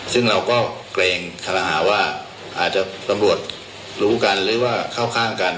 ซึ่งเราก็เกรงคารหาว่าอาจจะตำรวจรู้กันหรือว่าเข้าข้างกัน